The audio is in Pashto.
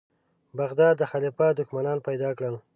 بغداد د خلیفه دښمنان پیدا کړل.